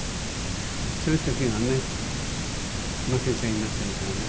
そういう時はね負けちゃいませんからね。